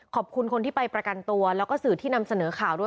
ขอบคุณคนที่ไปประกันตัวแล้วก็สื่อที่นำเสนอข่าวด้วย